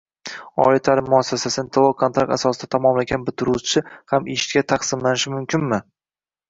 Oliy ta’lim muassasasini to‘lov-kontrakt asosida tamomlagan bitiruvchi ham ishga taqsimlanishi mumkinmi?